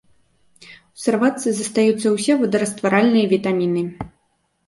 У сыроватцы застаюцца ўсе водарастваральныя вітаміны.